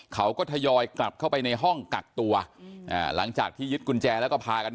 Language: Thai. ทยอยกลับเข้าไปในห้องกักตัวหลังจากที่ยึดกุญแจแล้วก็พากัน